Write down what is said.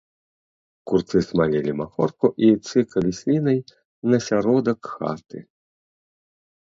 Курцы смалілі махорку і цыкалі слінай на сяродак хаты.